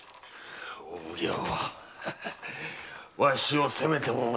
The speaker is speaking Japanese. お奉行わしを責めても無駄だぞ。